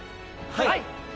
はい！